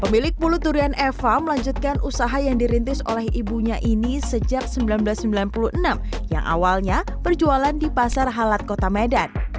pemilik bulu durian eva melanjutkan usaha yang dirintis oleh ibunya ini sejak seribu sembilan ratus sembilan puluh enam yang awalnya berjualan di pasar halat kota medan